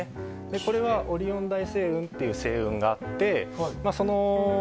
これはオリオン大星雲っていう星雲があって。